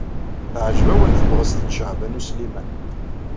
Teɛjeb-awen tebɣest n Caɛban U Sliman.